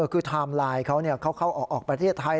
คือไทม์ไลน์เขาเขาเข้าออกประเทศไทย